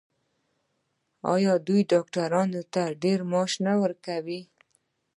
آیا دوی ډاکټرانو ته ډیر معاش نه ورکوي؟